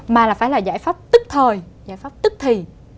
mà phải là giải pháp tức thời giải pháp tức thì